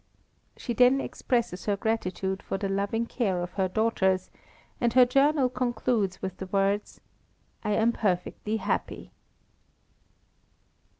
She then expresses her gratitude for the loving care of her daughters, and her journal concludes with the words, "I am perfectly happy."